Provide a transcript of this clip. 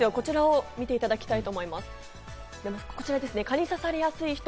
こちらを見ていただきたいと思います。